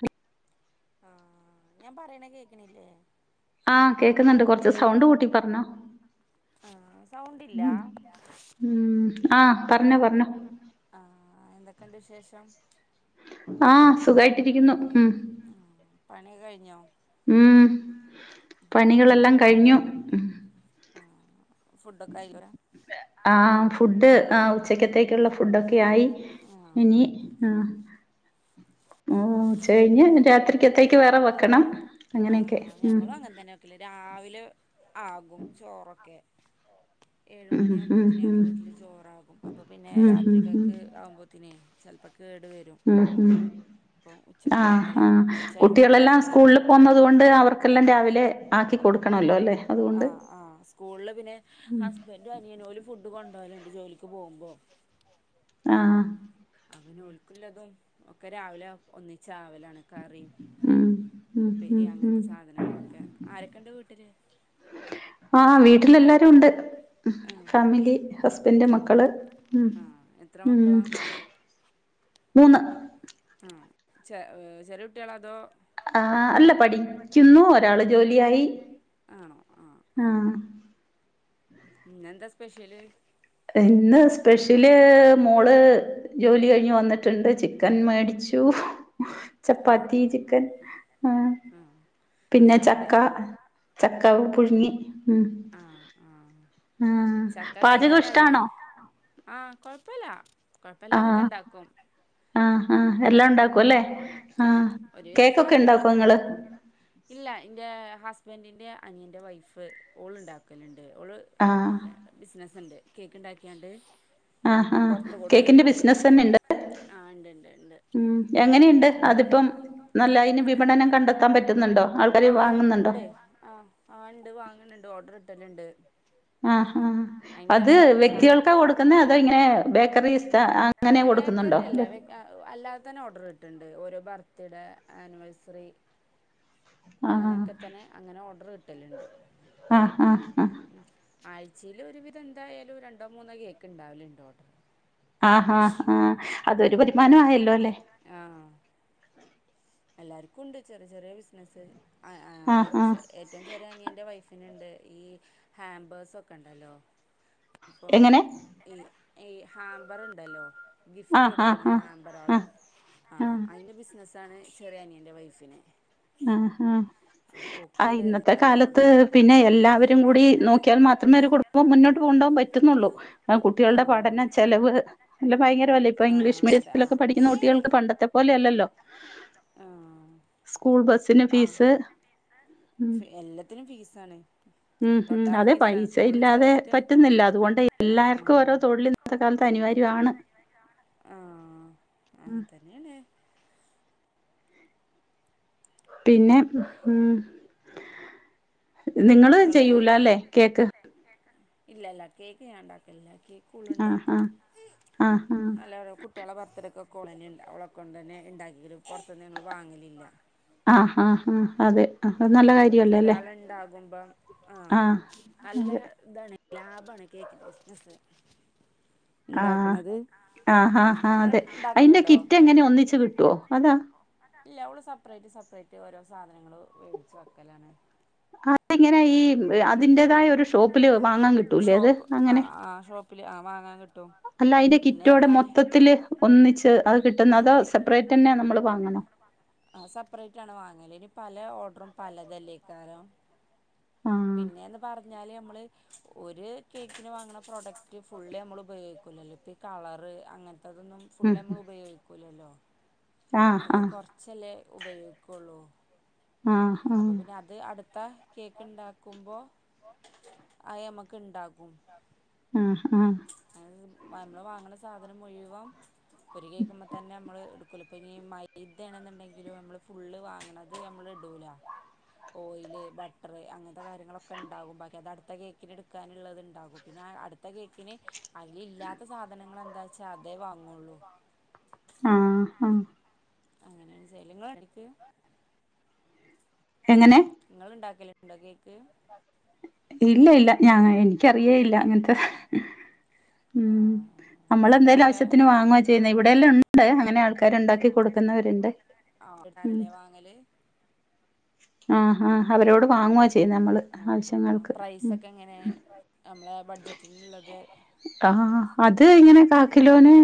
ഹ ആ ഞാൻ പറയണ കേക്കണില്ലേ ആ കേക്കുന്നുണ്ട് കൊറച്ച് സൗണ്ട് കൂട്ടി പറഞ്ഞോ ആ സൗണ്ടില്ല ആ പറഞ്ഞോ പറഞ്ഞോ ആ എന്തൊക്കെയുണ്ട് വിശേഷം ആ സുഖായിട്ടിരിക്കുന്നു ഉം ആഹ് പണിയൊക്കെ കഴിഞ്ഞോ ഉം പണികളെല്ലാം കഴിഞ്ഞു ഫുഡ് ഒക്കെ ആയി വ ആ ഫുഡ് ആ ഉച്ചക്കത്തേക്കുള്ള ഫുഡൊക്കെ ആയി ആഹ് ഇനി ആ രാത്രിക്കത്തേക്ക് വേറെ വെക്കണം ആ അങ്ങനെയൊക്കെ ഉം ഞങ്ങളും അങ്ങനെ തന്നെ വെക്കല് രാവിലെ ആകും ചോറൊക്കെ ഏഴ് ഉം ഉം ഉം മണിയാമ്പോത്തേന് ഞങ്ങടെ ഉം വീട്ടില് ചോറാകും അപ്പൊ പിന്നെ ഉം രാത്രികക്ക് ആവുമ്പോത്തേനെ ചിലപ്പോൾ കേട് വരും അപ്പം ഉച്ചക്ക് ആഹ വെക്കല ഉച്ച കഴിഞ്ഞിട്ട് കുട്ടികളെല്ലാം വെക്കലാണ് സ്കൂളിൽ പോന്നതുകൊണ്ട് അവർക്കെല്ലാം രാവിലെ ആക്കി കൊടുക്കണല്ലോ അല്ലെ ആ ആ സ്കൂളില് പിന്നെ ഹസ്ബൻഡ അനിയനും ഓല് ഫുഡ് ന്തു കൊണ്ടായാലും ന്റെ ജോലിക്ക് പോകുമ്പോ ആ അവന ഒൽക്കുള്ളതും ഒക്കെ രാവിലെ ഒന്നിച്ചാവലണ് കറി ഉം ഉം ഉം ഉപ്പേരി ഉം അങ്ങനത്തെ സാധനങ്ങളൊക്കെ ആരൊക്കെ ഉണ്ട് വീട്ടില് ആ വീട്ടിലെല്ലാരും ഉണ്ട് ആഹ് ഫാമിലി ആഹ് ഹസ്ബന്റ് മക്കള് ഉം ആഹ് എത്ര ഉം മക്കളാ മൂന്ന് ആഹ് ചെ ചെറിയുട്ട്യാളാതോ ആ അല്ല പഠിക്കുന്നു ഒരാള് ജോലിയായി ആഹ് ഉം എന്താ സ്പെഷ്യല് ഇന്ന് സ്പെഷ്യല് മോള് ജോലി കഴിഞ്ഞ് വന്നിട്ടുണ്ട് ചിക്കൻ മേടിച്ചു ച്ചു ചപ്പാത്തി ആഹ് ചിക്കൻ ആഹ് പിന്നെ ചായയുടെ ചക്ക ചക്ക പുഴുങ്ങി ഉം ആഹ് ആഹ് ഉം ആ ചക്ക പാചകം ഇഷ്ടാണോ കൊഴപ്പില്ല ആഹ് കൊഴപ്പില്ലാതൊക്കെണ്ടാക്കും ആഹ് ആഹ് എല്ലാം ഉണ്ടാക്കും അല്ലേ ആഹ് ഒരുവിധം കേക്കൊക്കെ ഉണ്ടാക്കോ സാധനങ്ങളൊക്കെ ഇങ്ങള് ണ്ടാക്കും ഇല്ല ഇന്റെ ഹസ് ബൻഡിൻ്റെ അനിയൻ്റെ വൈഫ് ഓൾ ഉണ്ടാക്കലുണ്ട് ഓള് ആഹ് ബിസിനസ്സ്ണ്ട് കേക്ക്‌ണ്ടാക്കിയാണ്ട് ആഹ് ആഹ് കേക്കിന്റെ ബിസിനസ് തന്നെ ഇണ്ട്? ആഹ് ഇണ്ട് ഇണ്ട് ഇണ്ട് ഉം എങ്ങനെയുണ്ട് പൊറത്ത് അതിപ്പം? നല്ല അതിന് വിപണനം കണ്ടെത്താൻ പറ്റുന്നുണ്ടോ? ആൾക്കാര് ആഹ് വാങ്ങുന്നുണ്ടോ? ഇണ്ട് ട്ടല്ണ്ട് ആഹ് ആഹ് അത് വ്യക്തികൾക്കാ കൊടുക്കുന്നേ അതോ ഇങ്ങനെ ബേക്കറീസ് അങ്ങനെ ഏഹ് ബേക്കറി കൊടുക്കുന്നുണ്ടോ അല്ല അല്ലാതെ തന്നെ ഓർഡർ കിട്ടുണ്ട് ഓരോ ബർത്ത്ഡേ ആനിവേഴ്സറി ആഹ് അങ്ങനെയൊക്കെ തന്നെ അങ്ങനെ ഓർഡർ കിട്ടലുണ്ട് ആഹ് ആഹ് ആഹ് ആഴ്ചയിൽ ഒരുവിധം എന്തായാലും രണ്ടോ മൂന്നോ കേക്ക് ഉണ്ടാവല്ണ്ട്‌ ഓർഡർ ആഹ് ആ ആഹ് അതൊരു വരുമാനം ആയല്ലോ അല്ലേ എല്ലാവർക്കും ഉണ്ട് ചെറിയ ചെറിയ ബിസിനസ്സ് ആഹ് ആഹ് ഏറ്റവും ചെറിയ അനിയന്റെ വൈഫിനുണ്ട് ഈ ഹാമ്പേഴ്സൊക്കെണ്ടല്ലോ അപ്പോ എങ്ങനെ ഈ ഈ ഹാബർണ്ടല്ലോ ഗിഫ്റ്റ് ആഹ് കൊടുക്ക്‌ണ ആഹ് ആഹ് ഹാംമ്പറാള് ആഹ് ആ ആഹ് അതിന്റെ ബി സിനസ്സാണ് ചെറിയനിയന്റെ വൈഫിന് ആഹ് ആഹ് ആഹ് ആ ഓക്കുണ്ട് ഇന്നത്തെ നല്ല കാലത്ത് ഓർഡറും പിന്നെ എല്ലാവരും കൂടി നോക്കിയാൽ മാത്രമേ ഒരു കുടുംബം മുന്നോട്ട് പോകണ്ടു പറ്റുന്നുള്ളൂ കുട്ടികളുടെ ആഹ് പഠന ചെലവ് അല്ല ഭയങ്കരമല്ലേ ഇപ്പോ ആഹ് ഇംഗ്ലീഷ് അതെ ആഹ് മീഡിയത്തിലൊക്കെ പഠിക്കുന്ന കുട്ടികൾക്ക് പണ്ടത്തെ പോലെയല്ലല്ലോ ആ സ്കൂൾ ബസിന്റെ ഫീസ് ഉം എല്ലത്തിനും ഫീസാണ് ഉം ഉം തൊട്ടാ അതെ ഫീസാണ് പൈസ സ്കൂളിൽ ഇല്ലാതെ ചേർത്തിയ പറ്റുന്നില്ല അതുകൊണ്ട് എല്ലാർക്കും ഓരോ തൊഴിൽ ഇന്നത്തെ കാലത്ത് അനിവാര്യാണ് ആ അങ്ങനെ തന്നെയാണ് പിന്നെ ഉം നിങ്ങള് ചെയ്യൂല അല്ലേ കേക്ക് ഇല്ലല്ല കേക്ക് ഞൻണ്ടാക്കലില്ല ആഹ് കേക്കോളുണ്ടാക്കും ആഹ് ആഹ് അല്ലാതെ കുട്ട്യാളെ ബർത്ത്ഡേക്ക് ക്കോളെന്നേ ണ്ടാ ഓളെകൊണ്ടെന്നെ ണ്ടാക്കിക്കലും പുറത്തുന്ന് ഞങ്ങൾ വാങ്ങലില്ല ആഹ് ആഹ് ആഹ് അതെ അത് നല്ല കാര്യല്ലേ അല്ലെ പ ആ നല്ല അതെ ഇതാണ് ലാഭമാണ് കേക്കിന്റെ ബിസിനസ് ണ്ടാക്ക്‌ണത് ആ ഹാ ഹാ അതെ അതിന്റെ കിറ്റ് എങ്ങനെ ഒന്നിച്ച് കിട്ടുവോ അതാ ഇല്ല അവള് സെപ്പറേറ്റ് സെപ്പറേറ്റ് ഓരോ സാധനങ്ങൾ വേടിച്ചു വെക്കലാണ് ഇങ്ങനെ ഈ അതിന്റേതായ ഒരു ഷോപ്പില് വാങ്ങാൻ കിട്ടൂലേ? അത് ഷോപ്പ് ആ അങ്ങനെ ആ ഷോപ്പില് വാങ്ങാൻ കിട്ട് അല്ല അതിന്റെ കിറ്റോടെ മൊത്തത്തില് ഒന്നിച്ച് അത് കിട്ടുന്ന അതോ സെപ്പറേറ്റ് തന്നെ നമ്മള് വാങ്ങണോ? ആ സെപ്പറേറ്റ് ആണ് വാങ്ങല് ഇനി പല ഓർഡറും പലതല്ലേ ആഹ് പിന്നേന്ന് പറഞ്ഞാല് നമ്മള് ഒരു കേക്കിന് വാങ്ങണ പ്രൊഡക്റ്റ് ഫുള്ളി നമ്മൾ ഉപയോഗിക്കൂല്ലല്ല. കളർ അങ്ങനെ അതൊന്നും ഫുള്ള് ഉം നമ്മൾ ഉം ഉപയോഗിക്കില്ലല്ലോ. ആഹ് അതൊക്കെ ആഹ് കുറച്ചല്ലേ ഉപയോഗിക്കുള്ളൂ. ആ ആ അപ്പോൾ പിന്നെ അത് അടുത്ത കേക്ക് ഉണ്ടാക്കുമ്പോൾ അത് നമുക്ക് ഉണ്ടാക്കും. ആ ആ നമ്മള് വാങ്ങണ സാധനം മുഴുവൻ ഒരു കേക്കുമ്മേ തന്നെ നമ്മള് എടുക്കൂല. ഇപ്പ ഈ മൈദ ആണെന്നുണ്ടെങ്കിലും നമ്മള് ഫുള്ള് വാങ്ങണത് നമ്മള് ഇ ഇടൂല ഓയില് ബട്ടർ അങ്ങനത്തെ കാര്യങ്ങളൊക്കെ ഉണ്ടാകും. ബാക്കി അത് അടുത്ത കേക്കിന് എടുക്കാനുള്ളത് ഉണ്ടാകും പിന്നെ അടുത്ത കേക്കിന് അതില് ഇല്ലാത്ത സാധനങ്ങൾ എന്താ വച്ചാ അതേ വാങ്ങുള്ളൂ. ആ ആ അങ്ങനെയാണ് എങ്ങനെ നിങ്ങള് ഉണ്ടാക്കലുണ്ടോ കേക്ക്? ഇല്ല! ഇല്ല! ഞാ, എനിക്കറിയേയില്ല അങ്ങനത്തെ, ആ ഉം. നമ്മൾ എന്തേലും ഫുഡൊക്കെ ആവശ്യത്തിന് വാങ്ങുവാ ചെയ്യുന്നേ. ഇവിടെയെല്ലാം ഉണ്ട്. അങ്ങനെ ആൾക്കാർ ഉണ്ടാക്കി കൊടുക്കുന്നവരുണ്ട്. വാങ്ങല്. ആ ഹാ ഹാ അവരോട് വാങ്ങുവാ ചെയ്യ നമ്മള്. ആ ആവശ്യങ്ങൾക്ക് പ്രൈസ് ഒക്കെ എങ്ങനെ? നമ്മള് ബഡ്ജറ്റ് ആ അത് ഇങ്ങനെ കാക്കിലോന്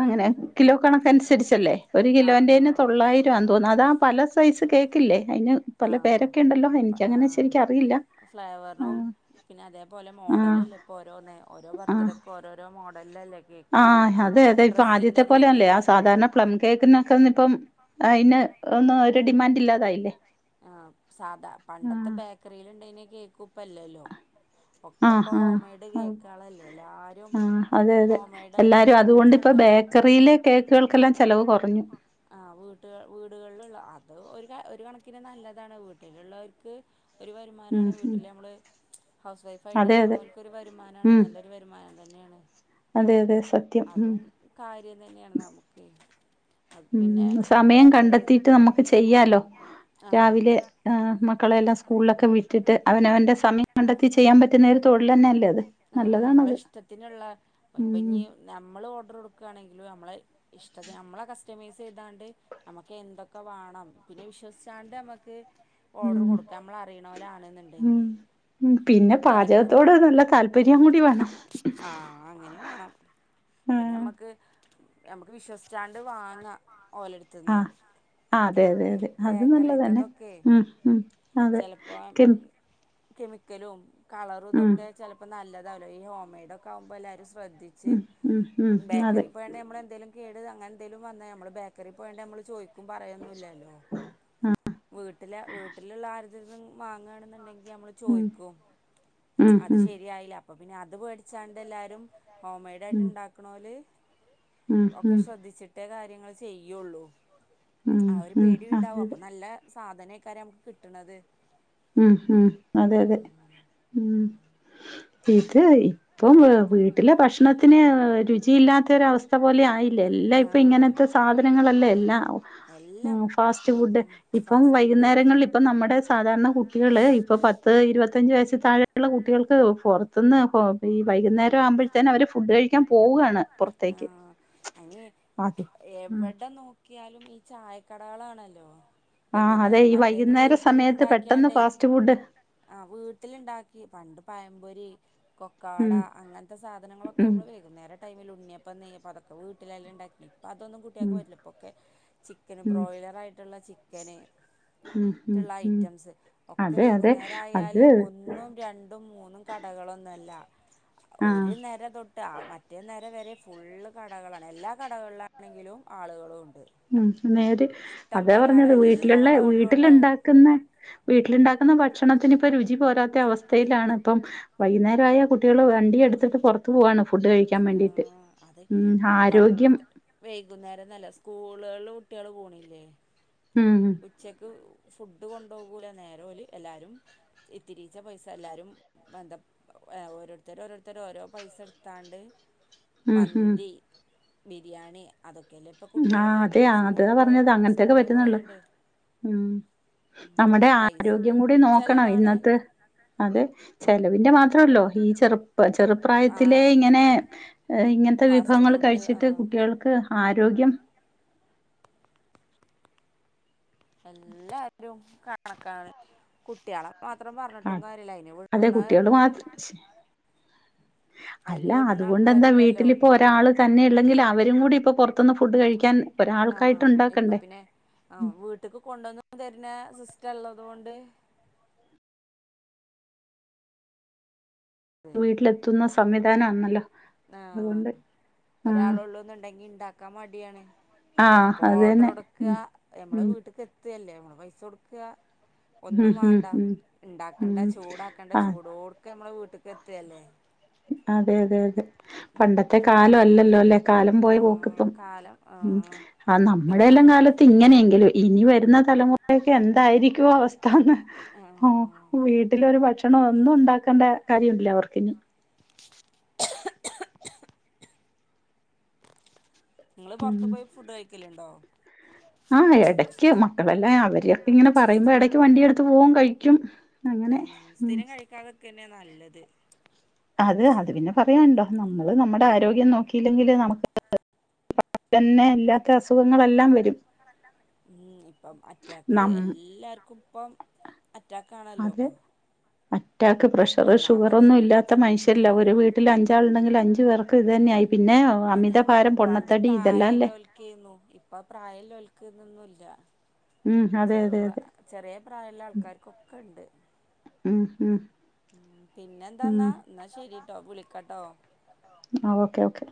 അങ്ങനെ. കിലോ കണക്കനുസരിച്ചല്ലേ. ഒരു ആഹ് കിലോൻ്റെേന് ആഹ് തൊള്ളായിരം ആന്ന് തോന്നുന്നു. അതാ, പല സൈസ് കേക്കില്ലേ? അതിന് പല പേരൊക്കെ ഉണ്ടല്ലോ? എനിക്കങ്ങനെ ശരിക്ക് അറിയില്ല. ഫ്ലേവറിനും പിന്നെ, അതേപോലെ ആഹ് മോഡലല്ലേ ഇപ്പൊ ഓരോ നേ. ഓരോ ആഹ് ബർത്ത്ഡേക്ക് ഓരോരോ മോഡ് നല്ലല്ല കേക്ക് ആഹ് അതെ! അതെ! ഇപ്പൊ ആദ്യത്തെ ഡ്രസ്സിൻ്റെ പോലെ അല്ലേ. ആ തീമിലും സാധാരണ പ്ലം കേക്കിനൊക്കെ ഒന്ന് ഇപ്പം അതിന് ഒന്നും ഒരു ഡിമാൻഡ് ഇല്ലാതായില്ലേ? ആ സാധാ പണ്ടത്തെ ബേക്കറീൽ കേക്കൂപ്പല്ലല്ലോ. ഒക്കെ ആഹ് ഇപ്പൊ ആഹ് ഹോം മെയ്ഡ് ആഹ് കേക്കുകളല്ലേ. എല്ലാരും ഹോം മെയ്ഡ് ആയിട്ടുള്ള വീ ഇപ്പൊ ബേക്കറിയിലെ കേക്കുകൾക്കെല്ലാം ചെലവ് കൊറഞ്ഞു. ആ വീട്ട് വീടുകളിലുള്ള അത് ഒരു ക ഒരു കണക്കിന് നല്ലതാണ് വീട്ടിലുള്ളവർക്ക് ഒരു ഉം വരുമാനാണ്. ഉം വീട്ടില് നമ്മള്, ഹൗസ് വൈഫ് ആയിട്ട് അതെ അതെ ഇരിക്കണവർക്കു ഒരു വരുമാനാണ്. ഉം നല്ലൊരു വരുമാ തന്നെയാണ്. അതെ, അതെ സത് അതും കാര്യം തന്നെയാണ്. നമുക്ക് അത് പിന്നെ ഉം, സമയം ബേക്കറി കണ്ടെത്തീട്ട് നമ്മുക്ക് ചെയ്യാലോ. ആ രാവിലെ, ആ മക്കളെയെ ല്ലാം സ്കൂളിലൊക്കെ വിട്ടിട്ട് അവനവന്റെ സമയം കണ്ടെത്തി ചെയ്യാൻ പറ്റുന്ന ഒരു തൊഴിൽ തന്നെയല്ലേ അത്. നല്ലതാണത് അപ്പോ ഉം ഇനി നമ്മള് ഓർഡർ കൊടുക്കുകയാണെങ്കിലും നമ്മളെ ഇഷ്ടത്തി നമ്മളെ കസ്റ്റമൈസ് ചെയ്താണ്ട് നമ്മുക്ക് എന്തൊക്കെ വേണം. പിന്നെ ഇവരെ വിശ്വസിച്ചാണ്ട് നമ്മുക്ക് ഓർഡർ ഉം കൊടുക്കാ നമ്മൾ അറിയണ പോലെ ഉം ആണെന്നൊണ്ടെങ്കി ഉം, പിന്നെ പാചകത്തോട് നല്ല താല്പര്യം കൂടി വേണം. ആഹ് അങ്ങനെയും വേണം പിന്നെ ആഹ് അമ്മക്ക് നമുക്ക് വിശ്വസിച്ചോണ്ട് വാങ്ങാം, ഓളടുത്തൂന്ന് ആഹ് അതെ അതെ അതെ അത് നല്ലതന്നെ ഉ ഉ അതെ ചെലപ്പോ കെ കെമിക്കലും കളറും ഉം ഇതൊക്കെ ചെപ്പോ നല്ലതാവല്ലോ ഈ ഹോം മെയ്ഡ ഒക്കെ ആകുമ്പോ എല്ലാരും ശ്രദ്ധിച്ച് ഉം ഉം ഉം അതെ ബേക്കറി പോണങ്കിൽ നമ്മളെന്തെങ്കിലും കേടട് അങ്ങനെന്തങ്കിലുംന്നാ നമ്മള് ബേക്കറിപോയണ്ട് നമ്മള് ചോദ പറയൊന്നില്ലല്ലോ വീട്ടില വീട്ടിലുള്ള ആ വാങ്ങുണ്ടെങ്കി നമ്മള് ഉം ചോയ്ിക്കും ഉം അത് ഉം ശരിയായില്ല അപ്പൊ പിന്നെ അത് പേടിച്ചാണ്ട് എല്ലാരും ഹോം മെയഡ് ആയിട്ട് ഉം ഉണ്ടാക്കണവല് ഉം ഒക്കെ ഉം ശ്രദ്ധിച്ചിട്ടേ കാര്യങ്ങൾ ചെയ്യുള്ളൂ ഉം ഉ അതെതെ സാധനം ഇക്കാര്യം നമുക്ക് കിട്ടണത്. ഉം ഉം അതെ അതെ ഉ ഇത് ഇപ്പം വീട്ടിലെ ഭക്ഷണത്തിന് രുചിയില്ലാത്ത ഒര അവസ്ഥ പോലെയി ല്ല എല്ലാ ഇപ്പ ആഹ് ഇങ്ങനത്തെ സാധനങ്ങളല്ല എല്ലാ ഉ എല്ലാം ഫാസ്റ്റ് ഉം ഫുഡ് ഇപ്പം ഫാസ്റ്റ് ഫുഡ് വൈകുന്നേരങ്ങളിൽ ഇപ്പ നമ്മുടെ സാധാരണ കു കുട്ടിക ഇപ്പ പത്ത് ഇരുപത്തഞ്ച് വയസ് താഴെയുള്ള കുട്ടികൾക്ക് പുറത്തുന്ന് ഈ വൈകുന്നേരം ആവുമ്പ ത്ത അവര് ഫുഡ് കഴിക്കാൻ പോവയാണ് പുറത്തേക്ക് അനി അത് ഉം എവിടെ നോക്കിയാലും ഈ ചായക്കടകളാണല്ലോ. ആഹ അതെ ഈ വൈകുന്നേരം മറ്റേത് വൈകുന്നേര സമയത്ത് പെട്ടെന്ന് ഫാസ്റ്റ് ഫുഡ് ആഹ് വീട്ടിലുണ്ടാക്കി പണ്ട് പഴംപൊരി, കൊക്കവട ഉം അങ്ങനത്തെ സാധനങ്ങളൊക്കെ ഉം വൈകുന്നേരം ടൈമിൽ ഉണ്ണിയപ്പം, നെയ്യപ്പം അപ്പൊ വീട്ടിലല്ലേ ഉണ്ടാക്കി അപ്പ അതൊന്നും കുട്ടിയക്ക് ഉം പറ്റല്ല ഇപ്പൊക്കെ ചിക്കന് ഉം ബ്രോയിലറ ആയിട്ടുള്ള ചിക്കന്. ഉം ഉം ുള്ള ഉം ഐറ്റംസ് ഒക്കെ അതെ അതെ വൈകുന്നേരയാൽ അത് ഒന്നും രണ്ടും മൂന്നും. ക കടകളൊന്നുമല്ല ആഹ് ഒരു നേര തൊട്ട് മറ്റേന്നര വരെ ഫുള്ള്. കടകളാണ്. എല്ലാ കടകളിലാണെങ്കിലും ആളുകളും ഉണ്ട്. ഇഷ്ടം അതെ പോലെ ആള് പറഞ്ഞത് എല്ലാ വീട്ടിലുള്ള കടകളിലും വീട്ടില ഉണ്ടാവും ഉണ്ടാക്കുന്ന വീട്ടിലണ്ട ഭക്ഷണത്തിന്പ്പ രുചി പോരാത്ത അവസ്ഥയിലാണ്. ഇപ്പ വൈകുന്നേര കുട്ടികൾ വണ്ടി എടുത്തിട്ട് പുറത്ത പോാണ് ഫുഡ് കഴിക്കാൻ വേണ്ടിട്ട് ആഹ് അത് ഉ വണ്ടി ആരോഗ്യം വൈകുന്നേരംന്നല്ല സ്കൂളുകളിൽ കുട്ടികള് പോണില്ലേ ഉം ഉച്ചക്ക് ഫുഡ് കൊണ്ടുപോകൂല നേരെ എല്ലും ത്തിരിച്ച പൈസ എല്ലരും ബദ ഓരോരുത്തര ഓരോരുത്തര ഓരോ പൈസ എടുത്തോണ്ട് ഉം ഉം മന്തി, ബിരിയാണി അതൊക്കെ ഒക്കല്ല ഇപ്പൾ കുട്ടികൾ ആഹ് അതെ കഴിക്കണം സ്കൂളിൽ അതാ പോയ സ്കൂളിന് പോയണ്ട് ഉ നമ്മുടെ ആരോഗ്യം പൈസക്കും കൂടി നോക്കണം ചെലവാണ് ഇന്നത്തെ അത് ചിലവിന്റെ മാത്രം മാത്രല്ലോ ഈ ചെറു ചെറുപ്രായത്തിലെ ആഹ് ഇങ്ങനെ ഇങ്ങനത്തെ ഫാസ്റ്റ് വിഭവങ്ങൾ ഫുഡ് കഴിച്ചിട്ട് കു ആഹ് കുട്ടികൾക്ക് ആരോഗ്യം എല്ലാരും കണക്കാണ് കുട്ടികള മാത്രം പറഞ്ഞിട്ടും അത് കാര്യല്ല ഇനി അതെ വടുന്ന കുട്ടികൾ മാത്രം അല്ല അതുകൊണ്ട് എന്താ ആൾക്കാരുണ്ടല്ലോ വീട്ടിലിപ്പൊ ഒരാള് തന്നെ ഉള്ളെങ്കിൽ അവരും കൂടി ഇപ്പൊ പുറത്തുന്ന് ഫുഡ് കഴിക്കാൻ ഒരാൾക്കായിട്ട് ഉണ്ടാക്കണ്ടേ ആഹ വീട്ടക്ക് കൊണ്ടുവന്ന തരുന്ന സിസ്റ്റർള്ളത് കൊണ്ട് വീട്ടിലെത്തുന്ന സംവിധാന ആണല്ലോ അതുകൊണ്ട് ആഹ് ആ ഒരാളൊള്ളൂന്നുണ്ടെങ്കി ഇണ്ടാക്കാൻ മടിയാണ് ആ അപ്പൊ അത് ഓർഡർ തന്നെ കൊടുക്കുക ഉം നമ്മളെ വീട്ടക്ക് എത്തയല്ലേ നമ്മൾ പൈസ കൊടുക്കുക ഒന്നും ഉം ഉം വേണ്ട ഉം ഉം ഉണ്ടാക്കണ്ട ഉം ചൂടാക്കണ്ട ആ ചൂടോടക്കെ നമ്മെ വീട്ട എത്തല്ലേ അതെ അതെ അതെ ഉം പണ്ടത്തെ കാലം അല്ലല്ലോ അല്ലെ കാലം പോയ പോക്ക് ആഹ് ഇപം കാലം ഉ ആഹ് ആ നമ്മുടെയെല്ലാം പിന്നെ കാലത്ത് ഇങ്ങനെയെങ്കിലും ഇനി വരുന്ന തലമുറ ക്കെ എന്തായിരിക്കും അവസ്ഥന്ന് ആഹ് വീട്ടിലൊരു ഭക്ഷ ഭക്ഷണം ഒന്നും ഉണ്ടാക്കേണ്ട കാര്യമില്ല അവർക്കിന നിങ്ങള് പുറത്ത് പോയി ഫുഡ് കഴിക്കലേണ്ടോ ആഹ് ഇടയ്ക്ക് മക്കളെല്ലാം അവരൊക്കെ ഇങ്ങനെ പറയുമ്പോ ഇടക്ക് വണ്ടി എടുത്ത് പോകും കഴിക്കും അങ്ങനെ ഉം ഉം സ്ഥിരം കഴിക്കാതൊക്കെന്നെ നല്ലത് അത അത് പിന്നെ പറയാനുണ്ടോ നമ്മള് നമ്മുടെ ആരോഗ്യം നോക്കി ക്കല്ലെങ്കിൽ നമുക്ക് തന്നെ ഇല്ലാത്ത അസുഖങ്ങളെല്ലാം വരും ഉം [unintelligible] ഇപ്പം അറ്റാക്ക് നം എല്ലാർക്കും ഇപ്പം അറ്റാക്ക്ണല്ലോ അതെ അറ്റാക്ക് പ്രഷർ ഷുഗർ ഒന്നും ഇാത്ത മനുഷ്യരില്ല ഒരു ആഹ് വീട്ടിൽ അഞ്ചാൾ ഉണ്ടെങ്കിൽ അഞ്ചു പേർക്ക് ഇത്ന്നെ ആയി ഇനി പണ്ട് ഇതെല്ലാം അല്ലേ പ്രായമല്ലോൽക്കുന്നു ഇപ്പൊ പ്രായല്ലൽക്ക അൊന്നുമില്ല ഉം അതെ അതെ ചെറുപ അതെ ചെറിയ പ്രായമുള്ള ആൾക്കാാര്ക്കൊക്കെ ഉണ്ട് ഉം ഉം ഉ പിന്നെ ഉം എന്താന്നാ എന്നാ ശരിട്ടോ വിളിക്കട്ടോ ആ ഓക്കെ ഓക്കെ